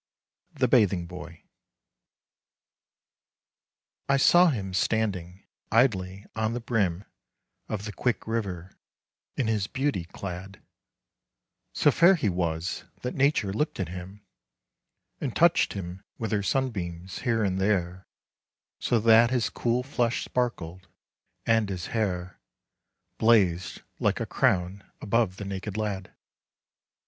THE BATHING BOY I SAW him standing idly on the brim Of the quick river, in his beauty clad, So fair he was that Nature looked at him And touched him with her sunbeams here and there, So that his cool flesh sparkled, and his hair Blazed like a crown above the naked lad.